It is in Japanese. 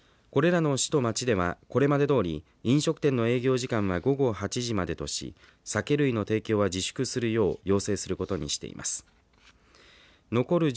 これらの市と町ではこれまでどおり飲食店の営業時間は午後８時までとし酒類の提供は自粛するよう要請することにしています。